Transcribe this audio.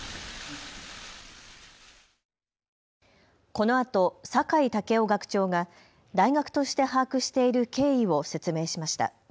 このあと酒井健夫学長が大学として把握している経緯を説明しました。